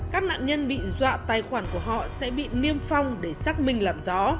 các nạn nhân bị dọa tài khoản của họ sẽ bị niêm phong để xác minh làm rõ